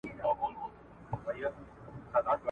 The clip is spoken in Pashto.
زه هره ورځ مکتب ته ځم!؟